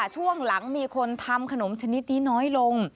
ช่วงหลังมีคนทำขนมชนิดนี้น้อยลง